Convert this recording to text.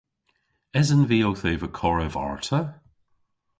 Esen vy owth eva korev arta?